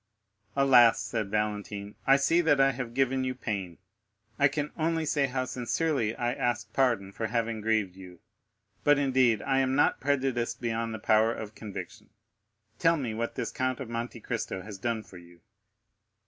"Alas!" said Valentine, "I see that I have given you pain. I can only say how sincerely I ask pardon for having grieved you. But, indeed, I am not prejudiced beyond the power of conviction. Tell me what this Count of Monte Cristo has done for you."